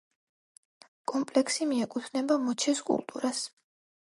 კომპლექსი მიეკუთვნება მოჩეს კულტურას.